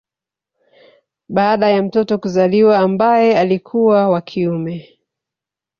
Baada ya mtoto kuzaliwa ambaye alikuwa wa kiume